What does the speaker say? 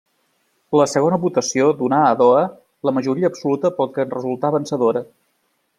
La segona votació donà a Doha la majoria absoluta pel que en resultà vencedora.